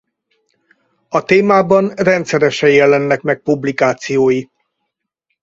A témában rendszeresen jelennek meg publikációi.